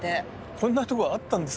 こんなとこあったんですか？